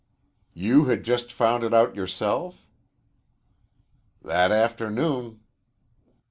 "You had just found it out yourself?" "That afternoon."